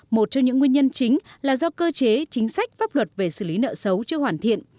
một trong những nguyên nhân chính là do cơ chế chính sách pháp luật về xử lý nợ xấu chưa hoàn thiện